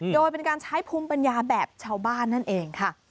โดยเป็นการใช้ภูมิปัญญาแบบชาวบ้านนั่นเองค่ะ